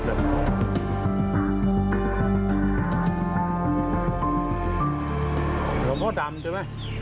หลวงพ่อดำใช่ไหม